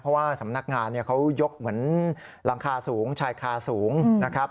เพราะว่าสำนักงานเขายกเหมือนหลังคาสูงชายคาสูงนะครับ